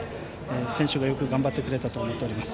選手がよく頑張ってくれたと思っております。